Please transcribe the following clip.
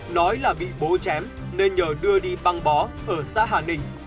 nói là bị bố chém nên nhờ đưa đi băng bó ở xã hà ninh